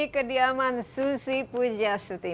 kediaman susi pujiastuti